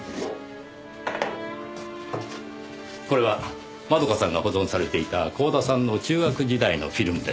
これは窓夏さんが保存されていた光田さんの中学時代のフィルムです。